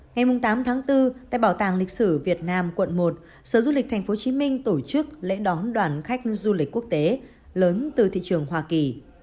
ngày tám tháng bốn tại bảo tàng lịch sử việt nam quận một sở du lịch tp hcm tổ chức lễ đón đoàn khách du lịch quốc tế lớn từ thị trường hoa kỳ